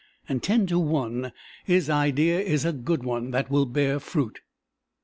And, ten to one, his idea is a good one that will bear fruit!"